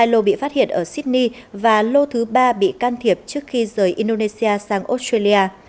hai lô bị phát hiện ở sydney và lô thứ ba bị can thiệp trước khi rời indonesia sang australia